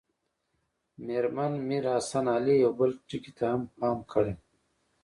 مېرمن میر حسن علي یو بل ټکي ته هم پام کړی.